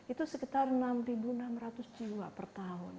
itu sekitar enam enam ratus jiwa per tahun